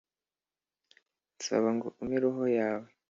Nsaba ngo umpe roho yawe